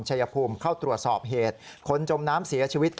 ชายภูมิเข้าตรวจสอบเหตุคนจมน้ำเสียชีวิต